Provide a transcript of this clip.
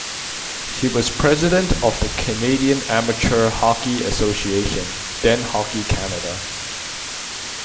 He was president of the Canadian Amateur Hockey Association then Hockey Canada.